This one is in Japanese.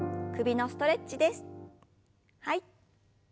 はい。